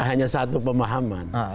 hanya satu pemahaman